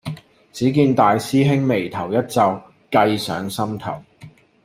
只見大師兄眉頭一皺，計上心頭